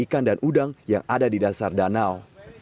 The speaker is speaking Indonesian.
dan juga dengan mencari ikan dan udang yang ada di dasar danau